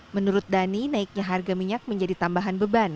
menurut dhani naiknya harga minyak menjadi tambahan beban